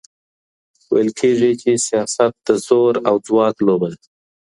ويل کېږي چي سياست د زور او ځواک لوبه ده.